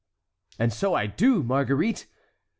"And so I do, Marguerite!